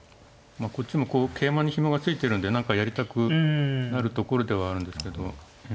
こっちもこう桂馬にひもが付いてるんで何かやりたくなるところではあるんですけど。